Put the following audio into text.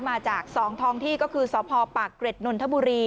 มาจาก๒ท้องที่ก็คือสพปากเกร็ดนนทบุรี